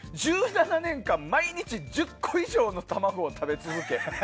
１７年間、毎日１０個以上の卵を食べ続け